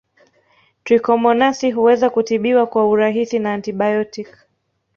Trichomonasi huweza kutibiwa kwa urahisi na antibaotiki